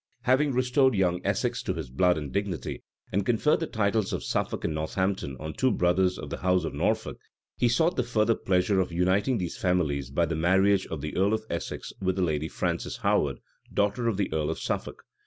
Having restored young Essex to his blood and dignity, and conferred the titles of Suffolk and Northampton on two brothers of the house of Norfolk, he sought the further pleasure of uniting these families by the marriage of the earl of Essex with Lady Frances Howard, daughter of the earl of Suffolk.